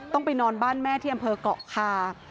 ต้องไปนอนบ้านแม่ที่อำเภอกเกาะคา